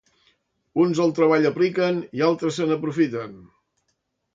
Uns el treball apliquen i altres se n'aprofiten.